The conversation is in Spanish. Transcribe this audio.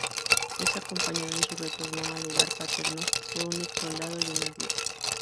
Es acompañado en su retorno al hogar paterno por un exsoldado y una viuda.